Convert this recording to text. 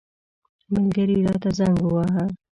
ملګري راته زنګ وواهه.